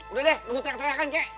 udah deh lo mau terang terangkan kek